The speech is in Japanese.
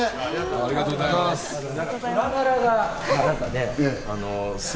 ありがとうございます。